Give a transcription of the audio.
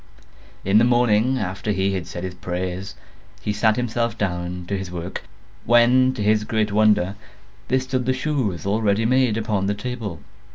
In the morning after he had said his prayers, he sat himself down to his work; when, to his great wonder, there stood the shoes all ready made, upon the table.